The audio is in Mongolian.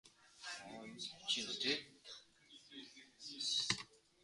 Өглөө таван үг ч хэлүүлэхгүй барьж идчих гээд байх чинь билээ.